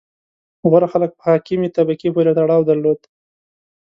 • غوره خلک په حاکمې طبقې پورې تړاو درلود.